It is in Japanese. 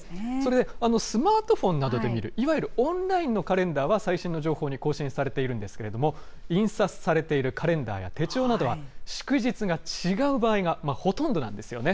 それでスマートフォンなどで見る、いわゆるオンラインのカレンダーは最新の情報に更新されているんですけれども、印刷されているカレンダーや手帳などは祝日が違う場合が、ほとんどなんですよね。